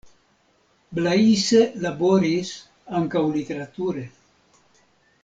Blaise laboris ankaŭ literature.